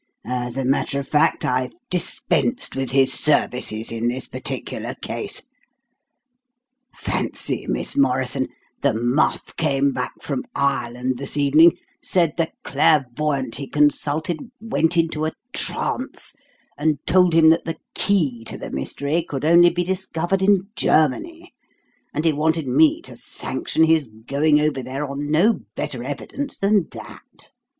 As a matter of fact, I've dispensed with his services in this particular case. Fancy, Miss Morrison, the muff came back from Ireland this evening, said the clairvoyante he consulted went into a trance, and told him that the key to the mystery could only be discovered in Germany, and he wanted me to sanction his going over there on no better evidence than that.